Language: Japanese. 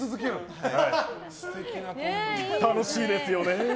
楽しいですよね。